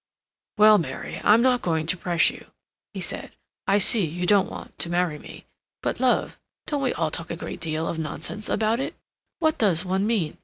"Well, Mary, I'm not going to press you," he said. "I see you don't want to marry me. But love—don't we all talk a great deal of nonsense about it? What does one mean?